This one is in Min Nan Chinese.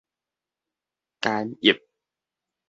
干邑